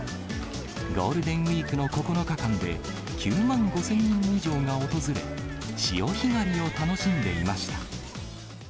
ゴールデンウィークの９日間で、９万５０００人以上が訪れ、潮干狩りを楽しんでいました。